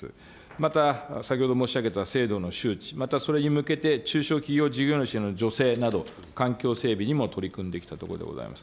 また、先ほど申し上げた制度の周知、またそれに向けて中小企業事業主の助成など、環境整備にも取り組んできたところでございます。